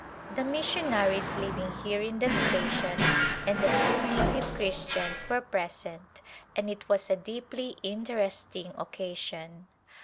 The missionaries living here in the station, and a few native Christians were present and it was a deeply interesting occasion.